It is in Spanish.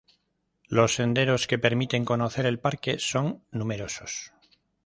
Los senderos que permiten conocer el parque son numerosos.